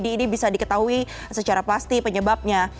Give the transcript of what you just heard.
jadi tragedi ini bisa diketahui secara pasti penyebabnya